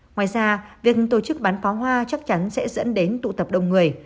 ngoài ra việc tổ chức bán pháo hoa chắc chắn sẽ dẫn đến tụ tập đông người